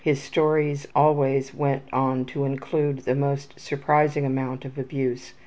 His stories always went on to include the most surprising amount of abuse.